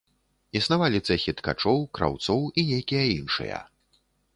Існавалі цэхі ткачоў, краўцоў і нейкія іншыя.